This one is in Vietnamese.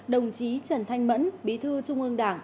đồng chí trần thanh mẫn bí thư trung ương đảng